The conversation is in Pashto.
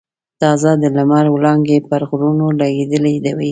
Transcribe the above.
تازه د لمر وړانګې پر غرونو لګېدلې وې.